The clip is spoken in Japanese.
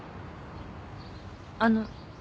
あの。